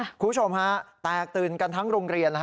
คุณผู้ชมฮะแตกตื่นกันทั้งโรงเรียน